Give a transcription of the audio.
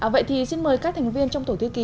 vậy thì xin mời các thành viên trong tổ thư ký